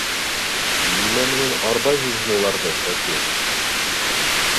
Нимә менән арбайһың һин уларҙы, Фәтих?